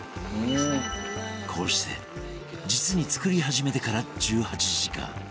こうして実に作り始めてから１８時間